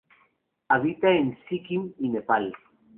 Habita en Sikkim y Nepal.